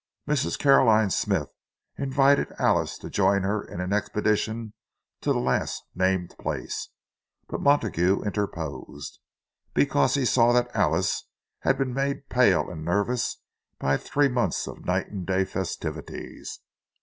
Mrs. Caroline Smythe invited Alice to join her in an expedition to the last named place; but Montague interposed, because he saw that Alice had been made pale and nervous by three months of night and day festivities.